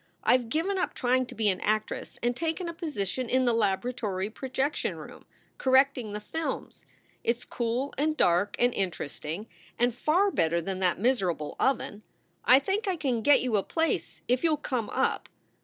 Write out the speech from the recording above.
I ve given up trying to be an actress and taken a position in the laboratory projection room, correcting the films. It s cool and dark and interesting, and far better than that miserable oven. I think I can get you a place, if you ll come up.